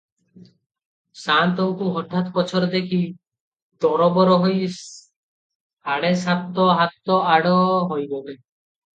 ସାଆନ୍ତଙ୍କୁ ହଠାତ୍ ପଛରେ ଦେଖି ତରବର ହୋଇ ସାଢ଼େ ସାତହାତ ଆଡ଼ ହୋଇଗଲେ